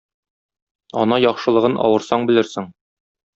Ана яхшылыгын авырсаң белерсең.